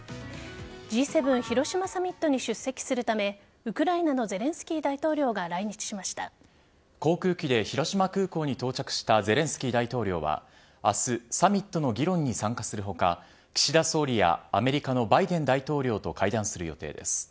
Ｇ７広島サミットに出席するためウクライナのゼレンスキー大統領が航空機で広島空港に到着したゼレンスキー大統領は明日サミットの議論に参加する他岸田総理やアメリカのバイデン大統領と会談する予定です。